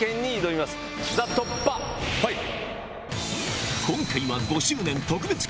ＴＨＥ突破ファイル！